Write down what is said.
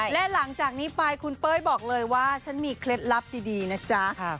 และหลังจากนี้ไปคุณเป้ยบอกเลยว่าฉันมีเคล็ดลับดีนะจ๊ะ